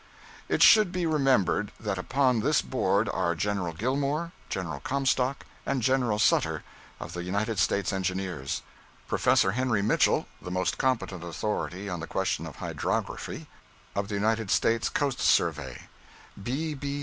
It should be remembered that upon this board are General Gilmore, General Comstock, and General Suter, of the United States Engineers; Professor Henry Mitchell (the most competent authority on the question of hydrography), of the United States Coast Survey; B. B.